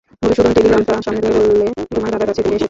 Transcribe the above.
মধুসূদন টেলিগ্রামটা সামনে ধরে বললে, তোমার দাদার কাছ থেকে এসেছে।